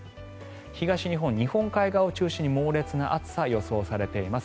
東日本の日本海側を中心に猛烈な暑さが予想されています。